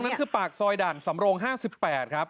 นั่นคือปากซอยด่านสำรง๕๘ครับ